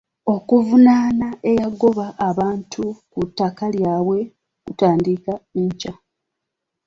Okuvunaana eyagoba abantu ku ttaka lyabwe kutandika nkya.